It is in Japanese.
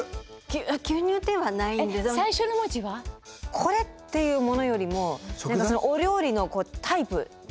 「これ」っていうものよりもお料理のタイプ。